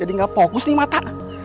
jadi gak fokus nih mata